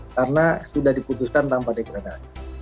karena sudah diputuskan tanpa degradasi